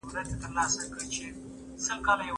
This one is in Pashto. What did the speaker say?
کلتور د خلکو او اړیکو تر منځ ږغ دی.